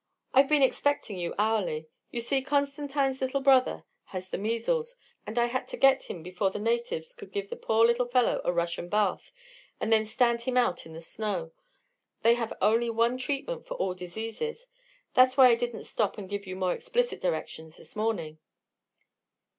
I've been expecting you hourly. You see, Constantine's little brother has the measles, and I had to get to him before the natives could give the poor little fellow a Russian bath and then stand him out in the snow. They have only one treatment for all diseases. That's why I didn't stop and give you more explicit directions this morning."